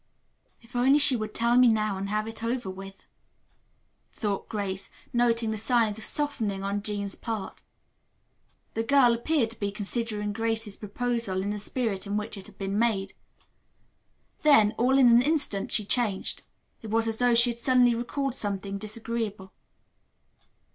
"If only she would tell me now and have it over with," thought Grace, noting the signs of softening on Jean's part. The girl appeared to be considering Grace's proposal in the spirit in which it had been made. Then, all in an instant, she changed. It was as though she had suddenly recalled something disagreeable.